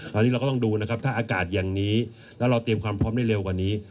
ตอนนี้เราก็ต้องดูนะครับถ้าอากาศอย่างนี้แล้วเราเตรียมความพร้อมได้เร็วกว่านี้